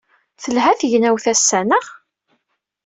Telha tegnewt ass-a, naɣ?